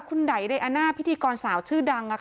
คุณไดอาน่าพิธีกรสาวชื่อดัง